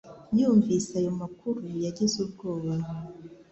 Yumvise ayo makuru yagize ubwoba